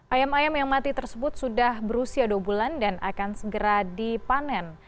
ayam ayam yang mati tersebut sudah berusia dua bulan dan akan segera dipanen